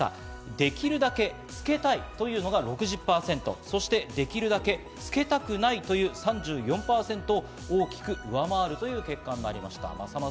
できるだけ着けたいというのが６０％、できるだけ着けたくないという３４％を大きく上回るという結果になりました。